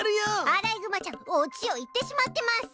アライグマちゃんオチを言ってしまってまっす。